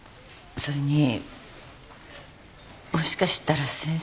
それにもしかしたら先生。